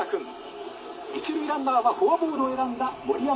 一塁ランナーはフォアボールを選んだ森山君です」。